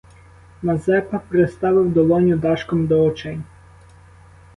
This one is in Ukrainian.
Мазепа приставив долоню дашком до очей.